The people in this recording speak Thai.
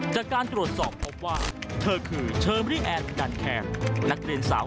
จากการตรวจสอบพบว่าเธอคือเชอรี่แอนดันแคนนักเรียนสาว